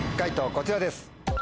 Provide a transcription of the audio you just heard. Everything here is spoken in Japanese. こちらです。